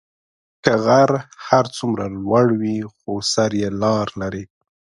که غر هر څومره لوړی وي، خو سر یې لار لري.